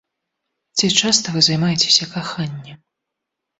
Ці часта вы займаецеся каханнем?